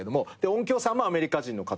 音響さんもアメリカ人の方。